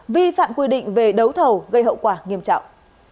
vi phạm quy định về đấu thầu gây hậu quả nghiêm trọng